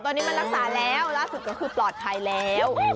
ตอนนี้มันรักษาแล้วล่าสุดก็คือปลอดภัยแล้ว